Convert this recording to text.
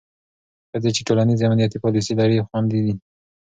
ښځې چې ټولنیز امنیتي پالیسۍ لري، خوندي وي.